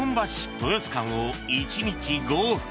豊洲間を１日５往復。